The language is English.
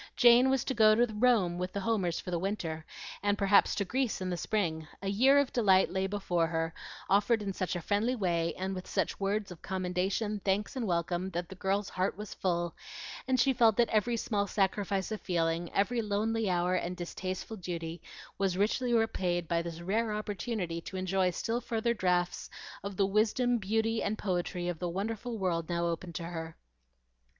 Jane was to go to Rome with the Homers for the winter, and perhaps to Greece in the spring. A year of delight lay before her, offered in such a friendly way, and with such words of commendation, thanks, and welcome, that the girl's heart was full, and she felt that every small sacrifice of feeling, every lonely hour, and distasteful duty was richly repaid by this rare opportunity to enjoy still further draughts of the wisdom, beauty, and poetry of the wonderful world now open to her.